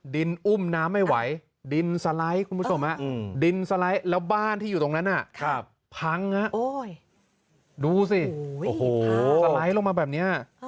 ดูสิสไลด์ลงมาแบบนี้